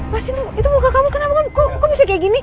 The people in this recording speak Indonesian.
mas ini itu muka kamu kenapa kok kondisi kayak gini